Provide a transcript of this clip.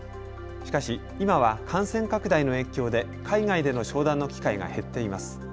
しかし今は感染拡大の影響で海外での商談の機会が減っています。